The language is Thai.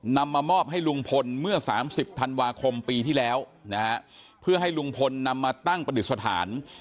นำมามอบให้ลุงพลเมื่อ๓๐ธันวาคมปีที่แล้วนะฮะเพื่อให้ลุงพลนำมาตั้งประดิษฐาน